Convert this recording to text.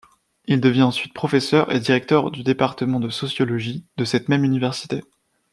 Il devient ensuite professeur et directeur du Département de sociologie de cette même université.